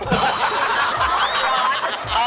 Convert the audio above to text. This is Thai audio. ผมร้อนครับ